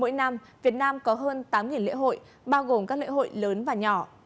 mỗi năm việt nam có hơn tám lễ hội bao gồm các lễ hội lớn và nhỏ